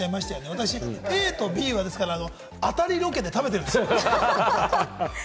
私、ＡとＢは当たりロケで食べてるんです。